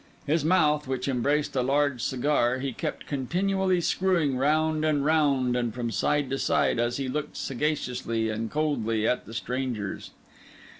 His mouth, which embraced a large cigar, he kept continually screwing round and round and from side to side, as he looked sagaciously and coldly at the strangers.